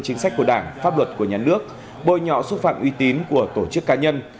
chính sách của đảng pháp luật của nhà nước bôi nhọ xúc phạm uy tín của tổ chức cá nhân